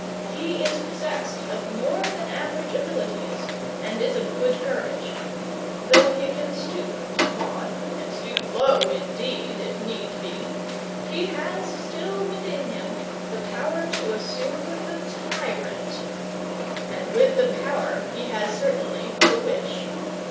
He is possessed of more than average abilities, and is of good courage. Though he can stoop to fawn, and stoop low indeed, if need be, he has still within him the power to assume the tyrant; and with the power he has certainly the wish.